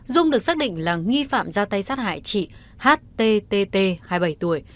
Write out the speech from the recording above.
dung được xác định là nghi phạm ra tay sát hại chị htt hai mươi bảy tuổi